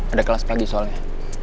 ada kelas pagi soalnya